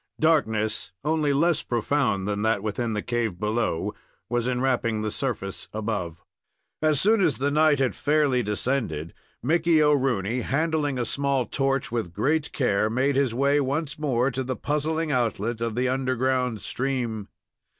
Darkness, only less profound than that within the cave below, was enwrapping the surface above. As soon as the night had fairly descended, Mickey O'Rooney, handling a small torch with great care, made his way once more to the puzzling outlet of the underground stream.